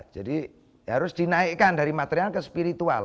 jadi harus dinaikkan dari material ke spiritual